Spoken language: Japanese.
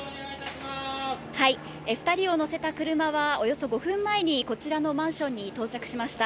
２人を乗せた車は、およそ５分前にこちらのマンションに到着しました。